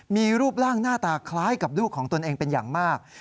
มีรูปร่างหน้าตาคล้ายกับลูกของตนเองเป็นอย่างมาก